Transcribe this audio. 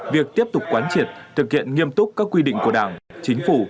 việc tiếp tục quán triệt thực hiện nghiêm túc các quy định của đảng chính phủ